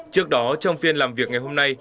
trước đó trong phiên làm việc ngày hôm nay